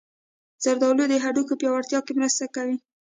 زردالو د هډوکو پیاوړتیا کې مرسته کوي.